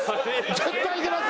絶対いけます！